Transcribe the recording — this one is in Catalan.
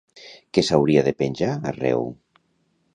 Què s'hauria de penjar arreu?